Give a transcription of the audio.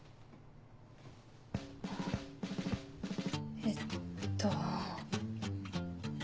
えっと。